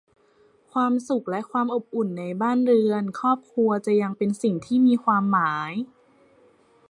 ความสุขและความอบอุ่นในบ้านเรือนครอบครัวยังจะเป็นสิ่งที่มีความหมาย